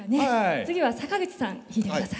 次は坂口さん引いてください。